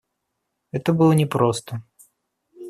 Это было непросто.